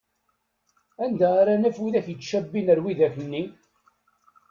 Anda ara naf widak yettcabin ar widak-nni?